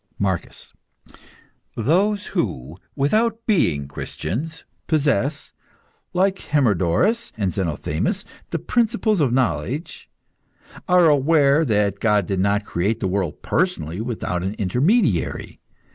MARCUS. Those who, without being Christians, possess, like Hermodorus and Zenothemis, the principles of knowledge, are aware that God did not create the world personally without an intermediary.